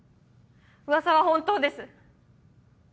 噂は本当です。